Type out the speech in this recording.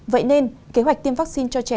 vậy nên kế hoạch tiêm vaccine cho trẻ